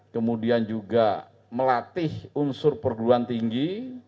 kemudian juga melatih unsur perguruan tinggi